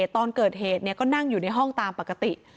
ตอนเกิดเหตุก็นั่งอยู่ในห้องตามปกติ